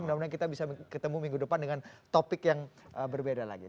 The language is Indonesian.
mudah mudahan kita bisa ketemu minggu depan dengan topik yang berbeda lagi